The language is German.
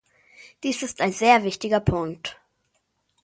Dies ist ein sehr wichtiger Punkt!